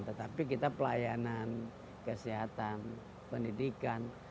tetapi kita pelayanan kesehatan pendidikan